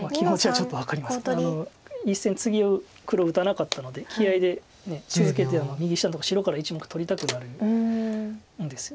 １線ツギを黒打たなかったので気合いで続けて右下のところ白から１目取りたくなるんですよね。